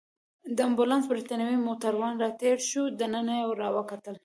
د امبولانس بریتانوی موټروان راتېر شو، دننه يې راوکتل.